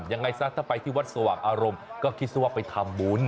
ยังไงซะถ้าไปที่วัดสว่างอารมณ์ก็คิดซะว่าไปทำบุญ